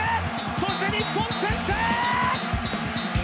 そして、日本先制！